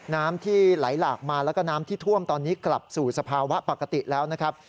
น้ำที่ไหลหลากมาแล้วก็น้ำที่ท่วมตอนนี้กลับสู่สภาวะปกติแล้วนะครับ